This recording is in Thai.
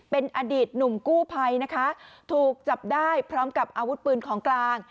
เป็นอดีตหนุ่มกู้ภัยนะคะถูกจับได้พร้อมกับอาวุธปืนของกลาง